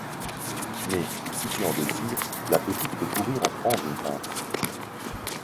Mais, si tu en désires, la petite peut courir en prendre une pinte.